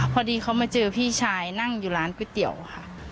พอดีเขามาเจอพี่ชายนั่งอยู่ร้านก๋วยเตี๋ยวค่ะ